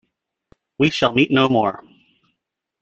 We shall meet no more.